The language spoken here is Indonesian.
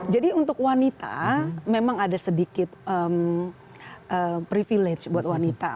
jadi untuk wanita memang ada sedikit privilege buat wanita